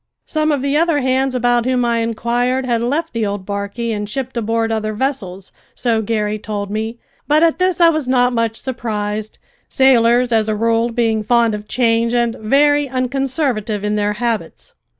Some of the other hands about whom I inquired had left the old barquey and shipped aboard other vessels, so Garry told me; but at this I was not much surprised, sailors as a rule being fond of change and very unconservative in their habits.